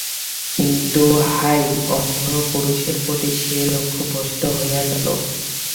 কিন্তু হায়, অন্ধ পুরুষের প্রতি সে লক্ষ ভ্রষ্ট হইয়া গেল।